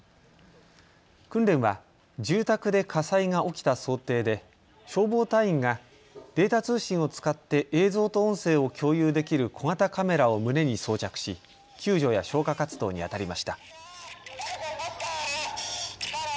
訓練は住宅で火災が起きた想定で消防隊員がデータ通信を使って映像と音声を共有できる小型カメラを胸に装着し救助や消火活動にあたりました。